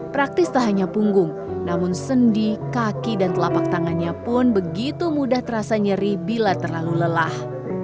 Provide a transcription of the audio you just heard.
praktis tak hanya punggung namun sendi kaki dan telapak tangannya pun begitu mudah terasa nyeri bila terlalu lelah